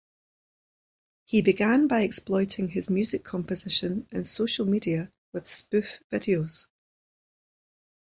He began by exploiting his music composition in social media with spoof videos.